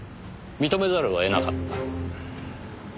認めざるを得なかった。